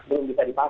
belum bisa dipakai